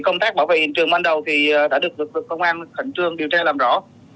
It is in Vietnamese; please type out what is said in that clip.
công tác bảo vệ hình trường ban đầu đã được công an khẩn trương điều tra làm rõ